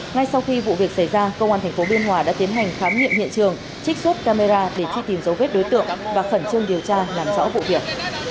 ngay sau khi vụ việc xảy ra công an tp biên hòa đã tiến hành khám nghiệm hiện trường trích xuất camera để truy tìm dấu vết đối tượng và khẩn trương điều tra làm rõ vụ việc